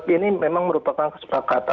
ini memang merupakan kesepakatan